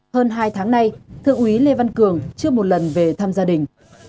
hơn hai tháng nay thượng úy lê văn cường chưa một lần về thăm dịch